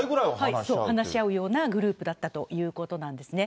話し合うようなグループだったということなんですね。